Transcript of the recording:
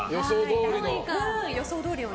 予想どおりの。